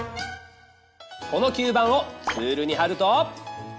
この吸盤をツールにはると。